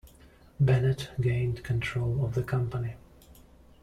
Bennett gained control of the company.